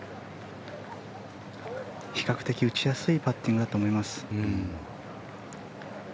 比較的打ちやすいパッティングだと思います。